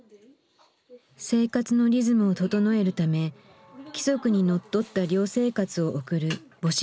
生活のリズムを整えるため規則にのっとった寮生活を送る母子寮。